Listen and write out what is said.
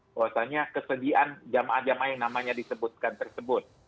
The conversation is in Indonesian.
bahwasannya kesedihan jemaah jemaah yang namanya disebutkan tersebut